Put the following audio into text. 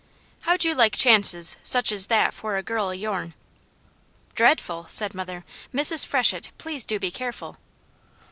How'd you like chances such as that for a girl of yourn?" "Dreadful!" said mother. "Mrs. Freshett, please do be careful!"